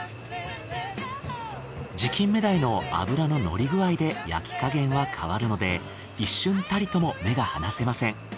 地金目鯛の脂ののり具合で焼き加減は変わるので一瞬たりとも目が離せません。